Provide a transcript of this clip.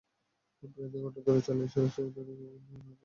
প্রায় দেড় ঘণ্টা চেষ্টা চালিয়ে সকাল সাড়ে ছয়টার দিকে আগুন নিয়ন্ত্রণে আনে।